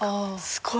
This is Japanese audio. すごい！